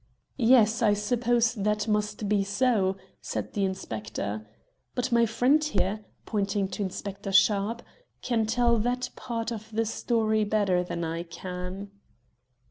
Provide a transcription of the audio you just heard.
"Yes; I suppose that must be so," said the inspector. "But my friend here," pointing to Inspector Sharpe, "can tell that part of the story better than I can."